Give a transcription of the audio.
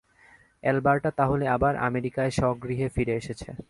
Alberta তাহলে আবার আমেরিকায় স্বগৃহে ফিরে এসেছে।